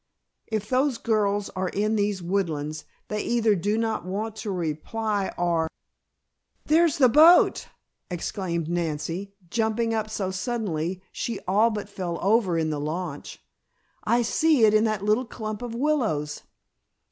If those girls are in these woodlands they either do not want to reply or " "There's the boat!" exclaimed Nancy, jumping up so suddenly she all but fell over in the launch. "I see it in that little clump of willows!